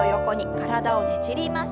体をねじります。